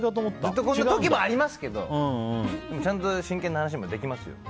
ずっとこんな時もありますけどちゃんと真剣な話もできますよ。